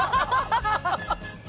ハハハハ！